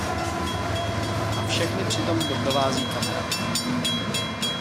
A všechny při tom doprovází kamera...